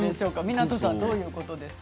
湊さんどういうことですか。